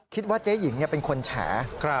คิดว่าเจ๊หญิงเป็นคนแฉ